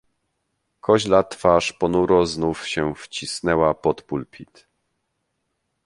"Koźla twarz ponuro znów się wcisnęła pod pulpit."